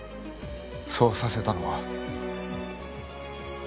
そうさせたのは